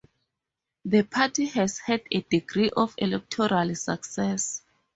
The party has had a degree of electoral success.